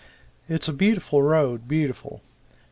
It's a beautiful road, beautiful.